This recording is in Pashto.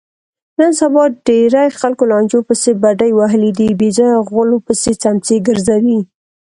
نن سبا ډېری خلکو لانجو پسې بډې وهلي دي، بېځایه غولو پسې څمڅې ګرځوي.